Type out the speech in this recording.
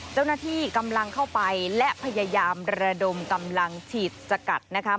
เจ้าหน้าที่กำลังเข้าไปและพยายามระดมกำลังฉีดสกัดนะคะ